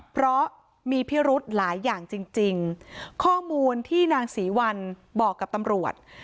เพราะมีพิรุธหลายอย่างจริงจริงข้อมูลที่นางศรีวัลบอกกับตำรวจ